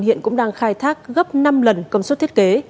hiện cũng đang khai thác gấp năm lần công suất thiết kế